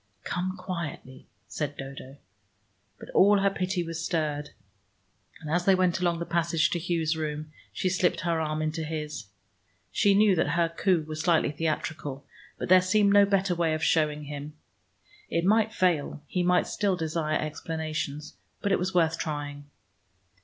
"Come quietly," said Dodo. But all her pity was stirred, and as they went along the passage to Hugh's room, she slipped her arm into his. She knew that her coup was slightly theatrical, but there seemed no better way of showing him. It might fail: he might still desire explanations, but it was worth trying.